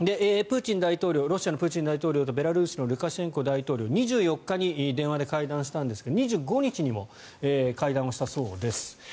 ロシアのプーチン大統領とベラルーシのルカシェンコ大統領は２４日に電話で会談したんですが２５日にも会談をしたそうです。